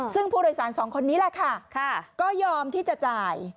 ซึ่งผู้โดยสารสองคนนี้แหละค่ะก็ยอมที่จะจ่าย